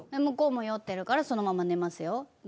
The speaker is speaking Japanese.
向こうも酔ってるからそのまま寝ますよ。